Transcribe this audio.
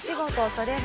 それは。